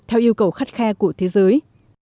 theo yêu cầu khắt khe của thế giới